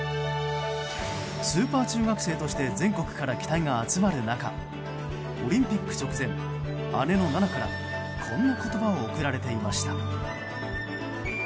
スーパー中学生として全国から期待が集まる中オリンピック直前、姉の菜那からこんな言葉を送られていました。